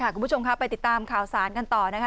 คุณผู้ชมค่ะไปติดตามข่าวสารกันต่อนะคะ